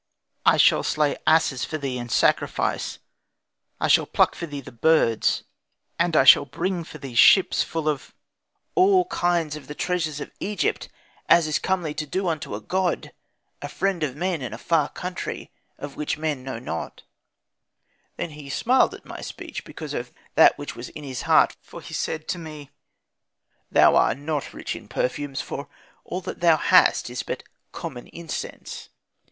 I shall slay asses for thee in sacrifice, I shall pluck for thee the birds, and I shall bring for thee ships full of all kinds of the treasures of Egypt, as is comely to do unto a god, a friend of men in a far country, of which men know not.' "Then he smiled at my speech, because of that which was in his heart, for he said to me, 'Thou art not rich in perfumes, for all that thou hast is but common incense.